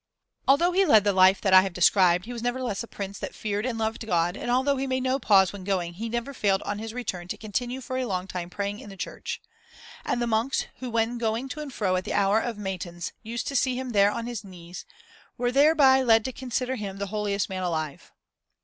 Although he led the life that I have described, he was nevertheless a Prince that feared and loved God, and although he made no pause when going, he never failed on his return to continue for a long time praying in the church. And the monks, who when going to and fro at the hour of matins used to see him there on his knees, were thereby led to consider him the holiest man alive.